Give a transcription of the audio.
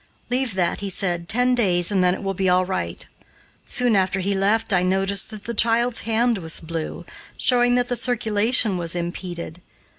"Leave that," he said, "ten days, and then it will be all right." Soon after he left I noticed that the child's hand was blue, showing that the circulation was impeded.